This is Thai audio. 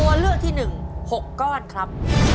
ตัวเลือกที่๑๖ก้อนครับ